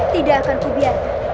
tidak akan kubiarkan